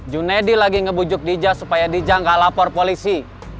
junedi lagi ngebujuk dija supaya dija nggak lapor polisi